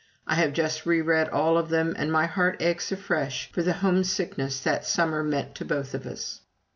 I have just re read all of them, and my heart aches afresh for the homesickness that summer meant to both of us.